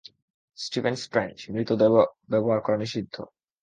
Stephen Strange, মৃতদেহ ব্যবহার করা নিষিদ্ধ!